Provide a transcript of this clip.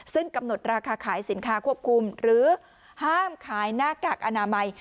ซึ่งกำหนดราคาขายสินค้าควบคุมหรือห้ามขายหน้ากากอนามัย